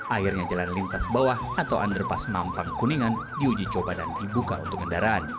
akhirnya jalan lintas bawah atau underpass mampang kuningan diuji coba dan dibuka untuk kendaraan